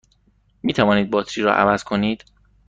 می توانید باتری را عوض کنید؟